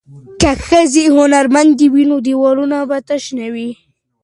که ښځې هنرمندې وي نو دیوالونه به تش نه وي.